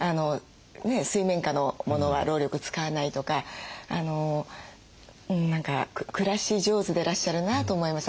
水面下のモノは労力使わないとか何か暮らし上手でいらっしゃるなと思いました。